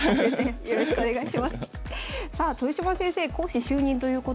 よろしくお願いします。